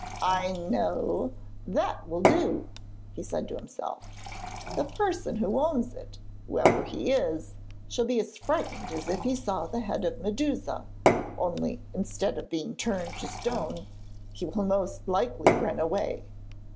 'I know! That will do!' he said to himself. 'The person who owns it, whoever he is, shall be as frightened as if he saw the head of Medusa; only, instead of being turned to stone, he will most likely run away!'